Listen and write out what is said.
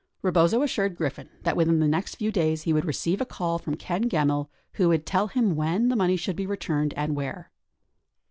Rebozo assured Griffin that within the next few days he would receive a call from Ken Gemmill who would tell him when the money should be returned and where.